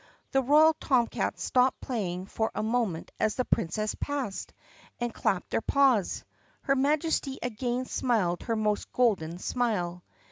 The royal tom cats stopped playing for a moment as the Princess passed, and clapped their paws. Her Majesty again smiled her most golden smile.